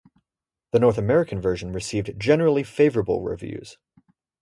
The North American version received generally favorable reviews.